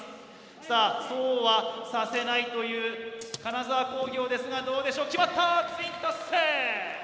さぁそうはさせないという金沢工業ですがどうでしょう決まったツイン達成！